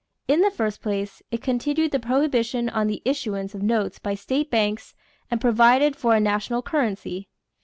In the first place, it continued the prohibition on the issuance of notes by state banks and provided for a national currency.